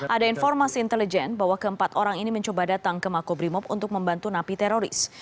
ada informasi intelijen bahwa keempat orang ini mencoba datang ke makobrimob untuk membantu napi teroris